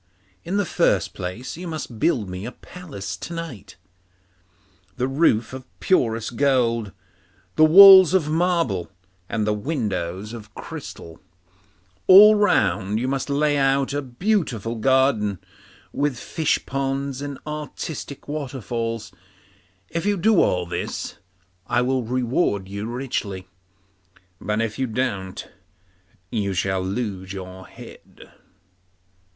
In the first place you must build me a palace to night, the roof of purest gold, the walls of marble, and the windows of crystal; all round you must lay out a beautiful garden, with fish ponds and artistic waterfalls. If you do all this, I will reward you richly; but if you don't, you shall lose your head.